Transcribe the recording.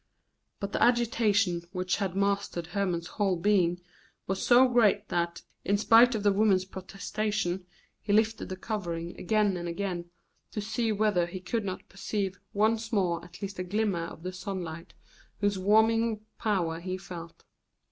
But the agitation which had mastered Hermon's whole being was so great that, in spite of the woman's protestations, he lifted the covering again and again to see whether he could not perceive once more at least a glimmer of the sunlight whose warming power he felt.